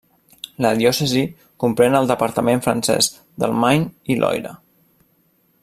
La diòcesi comprèn el departament francès del Maine i Loira.